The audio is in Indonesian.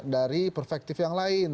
dari perfektif yang lain